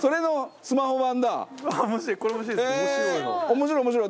面白い面白い！